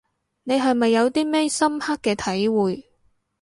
你係咪有啲咩深刻嘅體會